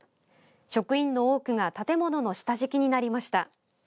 職員の多くが建物の下敷きになりました。